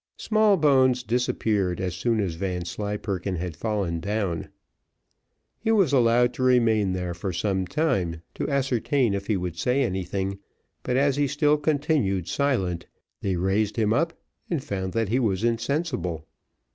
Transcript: Smallbones disappeared as soon as Vanslyperken had fallen down. He was allowed to remain there for some time to ascertain if he would say anything, but as he still continued silent, they raised him up and found that he was insensible.